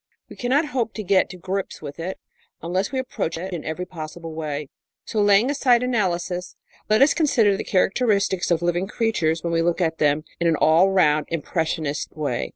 We cannot hope to get to grips with it unless we approach it in every possible way. So, laying aside analysis, let us consider the characteristics of living creatures when we look at them in an all round impressionist way.